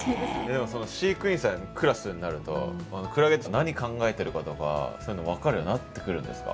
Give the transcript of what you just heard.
でもその飼育員さんクラスになるとクラゲって何考えてるかとかそういうの分かるようになってくるんですか？